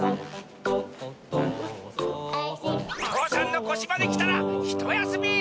父山のこしまできたらひとやすみ！